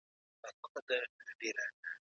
ازاده مطالعه له دغسې رنګینیو څخه پیل کېږي.